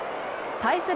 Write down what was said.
対する